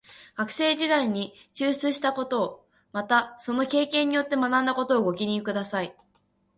学生時代に注力したこと、またその経験によって学んだことをご記入ください。